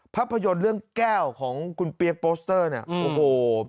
ภาพยนตร์เรื่องแก้วของคุณเปี๊ยกโปสเตอร์เนี่ยโอ้โห